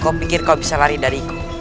kau pikir kau bisa lari dariku